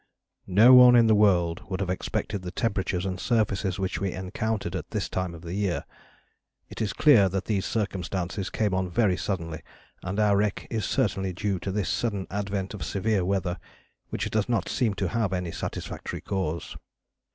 "No one in the world would have expected the temperatures and surfaces which we encountered at this time of the year.... It is clear that these circumstances come on very suddenly, and our wreck is certainly due to this sudden advent of severe weather, which does not seem to have any satisfactory cause."